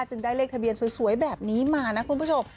ได้เลขทะเบียนสวยแบบนี้มานะคุณผู้ชม